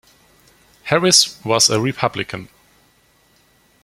Harris was a Republican.